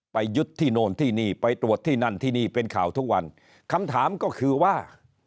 ไปยึดที่โน่นที่นี่ไปตรวจที่นั่นที่นี่เป็นข่าวทุกวันคำถามก็คือว่า